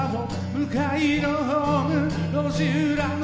「向いのホーム路地裏の窓」